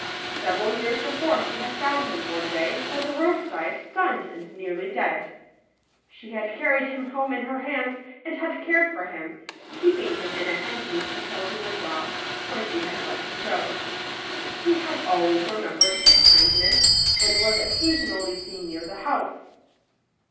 Several vears before she had found him, one day, by the roadside, stunned and nearly dead. She had carried him home in her hands and had cared for him, keeping him in a hencoop until he was well, when she had let him go. He had always re membered this kindness and w T as occasionally seen near the house.